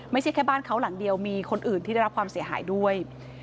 ไม่ใช่แค่บ้านเขาหลังเดียวมีคนอื่นที่ได้รับความเสียหายด้วย